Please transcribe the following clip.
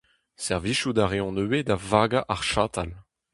Servijout a reont ivez da vagañ ar chatal.